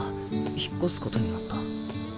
引っ越すことになった。